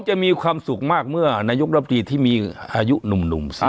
จะมีความสุขมากเมื่อนายกรับดีที่มีอายุหนุ่ม